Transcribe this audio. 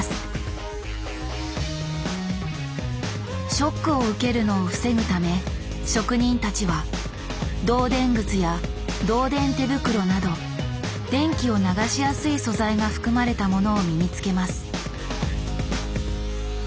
ショックを受けるのを防ぐため職人たちは導電靴や導電手袋など電気を流しやすい素材が含まれたものを身につけます。